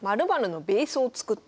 「○○のベースを作った」。